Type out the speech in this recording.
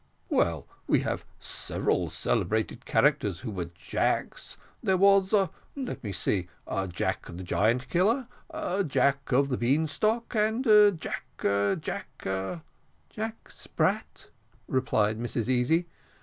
"Well, we have had several celebrated characters who were Jacks. There was let me see Jack the Giant Killer, and Jack of the Bean Stalk and Jack Jack " "Jack Spratt," replied Mrs Easy.